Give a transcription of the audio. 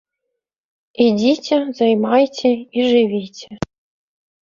Ідзіце, займайце і жывіце.